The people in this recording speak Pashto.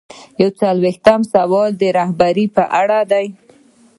یو څلویښتم سوال د رهبرۍ په اړه دی.